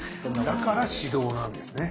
だから「始動」なんですね。